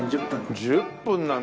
１０分なんて。